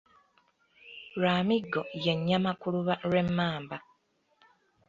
Lwamiggo ye nnyama ku luba lw’emmamba.